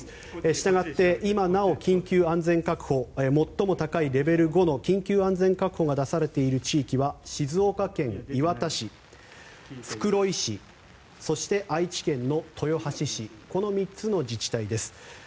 したがって、今なお緊急安全確保最も高いレベル５の緊急安全確保が出されている地域は静岡県磐田市、袋井市そして愛知県の豊橋市の３つの自治体です。